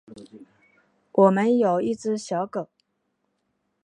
我们有一只小狗